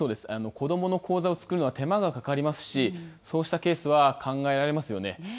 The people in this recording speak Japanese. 子どもの口座を作るのは手間がかかりますし、そうしたケースは考えられますよね。